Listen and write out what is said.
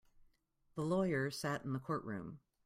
The lawyer sat in the courtroom.